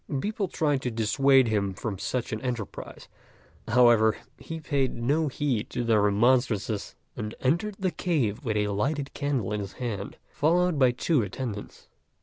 People tried to dissuade him from such an enterprise; however, he paid no heed to their remonstrances, and entered the cave with a lighted candle in his hand, followed by two attendants.